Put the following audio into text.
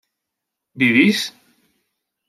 ¿vivís?